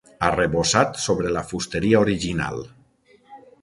Arrebossat sobre la fusteria original.